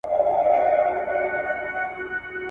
کله کله پر خپل ځای باندي درېږي ..